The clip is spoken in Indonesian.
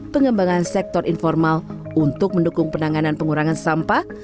pengembangan sektor informal untuk mendukung penanganan pengurangan sampah